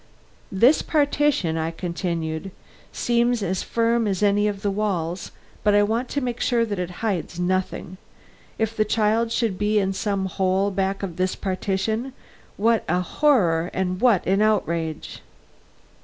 "This partition," I continued, "seems as firm as any of the walls, but I want to make sure that it hides nothing. If the child should be in some hole back of this partition, what a horror and what an outrage!"